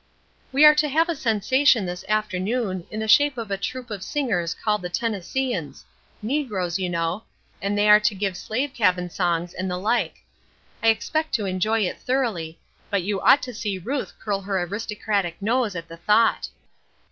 "We are to have a sensation this afternoon in the shape of a troupe of singers called the Tennesseeans negroes, you know, and they are to give slave cabin songs and the like. I expect to enjoy it thoroughly, but you ought to see Ruth curl her aristocratic nose at the thought.